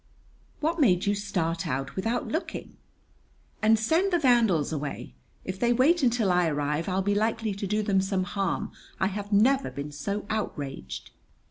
"What made you start out without looking?" "And send the vandals away. If they wait until I arrive, I'll be likely to do them some harm. I have never been so outraged."